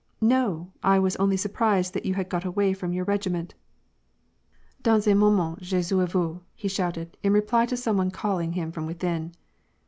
" No, I was only surprised that you had got away from your regiment. Dans un moment je suis a vans/' he shouted, in reply to some one calling him from within.